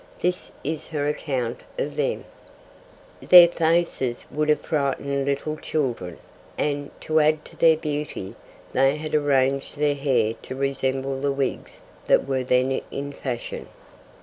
This is her account of them: Their faces would have frightened little children, and, to add to their beauty, they had arranged their hair to resemble the wigs that were then in fashion.